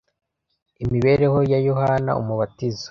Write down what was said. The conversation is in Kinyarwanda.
imibereho ya Yohana Umubatiza